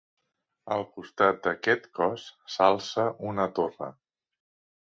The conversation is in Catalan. Al costat d'aquest cos s'alça una torre.